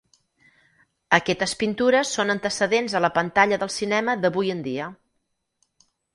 Aquestes pintures són antecedents a la pantalla del cinema d'avui en dia.